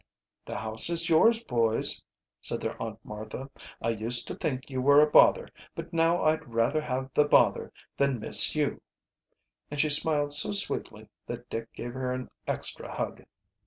"The house is yours, boys," said their Aunt Martha. "I used to think you were a bother, but now I'd rather have the bother than miss you," and she smiled so sweetly that Dick gave her an extra hug.